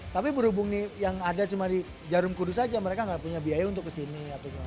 tapi berhubungi yang ada cuma di jarum kudus saja mereka nggak punya biaya untuk kesini